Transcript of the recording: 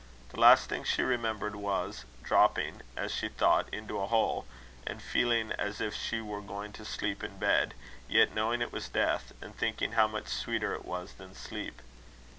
The last thing she remembered was, dropping, as she thought, into a hole, and feeling as if she were going to sleep in bed, yet knowing it was death; and thinking how much sweeter it was than sleep.